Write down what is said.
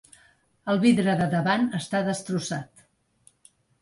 El vidre de davant està destrossat.